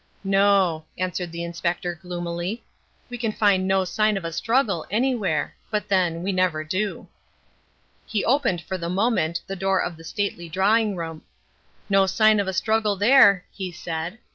"No," answered the Inspector gloomily. "We can find no sign of a struggle anywhere. But, then, we never do." He opened for the moment the door of the stately drawing room. "No sign of a struggle there," he said.